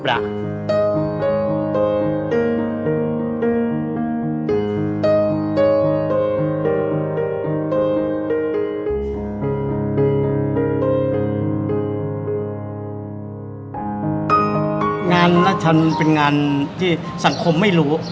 ราชันเป็นงานที่สังคมไม่รู้